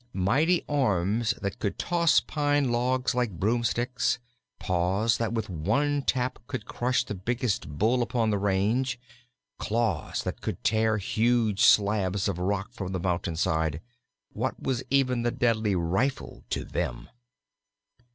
Mighty arms that could toss pine logs like broomsticks, paws that with one tap could crush the biggest Bull upon the range, claws that could tear huge slabs of rock from the mountain side what was even the deadly rifle to them!